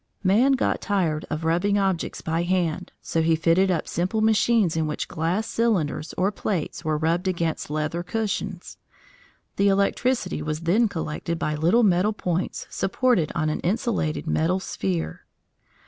Man got tired of rubbing objects by hand, so he fitted up simple machines in which glass cylinders or plates were rubbed against leather cushions. The electricity was then collected by little metal points supported on an insulated metal sphere.